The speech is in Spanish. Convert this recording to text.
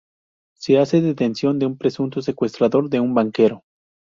Se hace detención de un presunto secuestrador de un banquero.